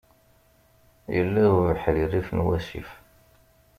Yella ubeḥri rrif n wasif.